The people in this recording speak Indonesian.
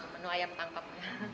menu ayam tangkap